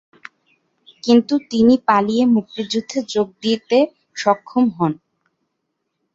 কিন্তু তিনি পালিয়ে মুক্তিযুদ্ধে যোগ দিতে সক্ষম হন।